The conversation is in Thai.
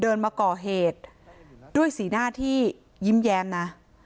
เดินมาก่อเหตุด้วยสีหน้าที่ยิ้มแย้มนะ